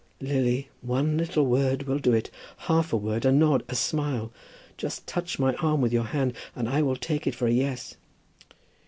"Lily, one little word will do it, half a word, a nod, a smile. Just touch my arm with your hand and I will take it for a yes."